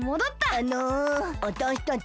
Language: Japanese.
あのわたしたち。